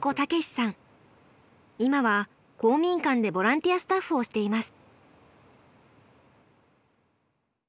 今は公民館でボランティアスタッフをしています。